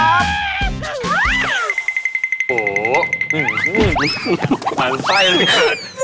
ยี่ยยโอ๊หิ้มั่นไฮอยู่เกิด